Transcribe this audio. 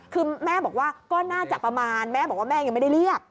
คือแม่บอกว่าก็น่าจะประมาณแม่บอกว่าแม่ยังไม่ได้เรียก